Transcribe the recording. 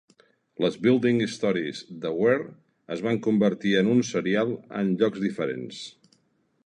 Les "Building Stories" de Ware es van convertir en un serial en llocs diferents.